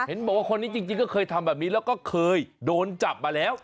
เห็นบอกว่าคนนี้จริงก็เคยทำแบบนี้แล้วก็เคยโดนจับมาแล้ว